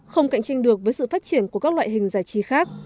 không cạnh tranh được với sự phát triển của các loại hình giải trí khác